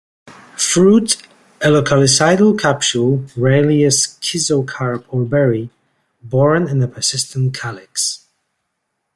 Fruit a loculicidal capsule, rarely a schizocarp or berry; borne in a persistent calyx.